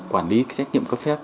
quản lý cấp phép